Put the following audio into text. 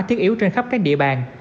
thiết yếu trên khắp các địa bàn